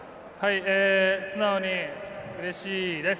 素直にうれしいです。